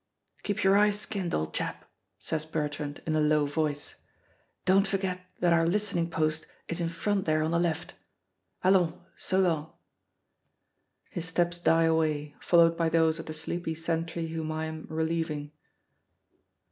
"Keep your eye skinned, old chap," says Bertrand in a low voice. "Don't forget that our listening post is in front there on the left. Allons, so long." His steps die away, followed by those of the sleepy sentry whom I am relieving.